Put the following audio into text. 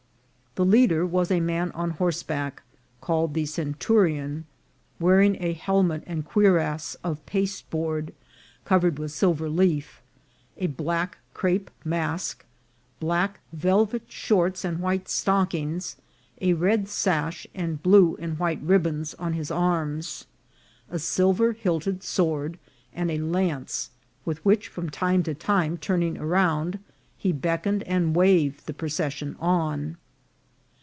The leader was a man on horseback, called the centurion, wearing a helmet and cuirass of pasteboard covered with silver leaf, a black crape mask, black vel vet shorts and white stockings, a red sash, and blue and red ribands on his arms, a silver hilted sword, and a lance, with which, from time to time turning round, he beckoned and waved the procession on.